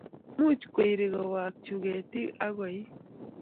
Much koiri kowaikchu ketik ago koik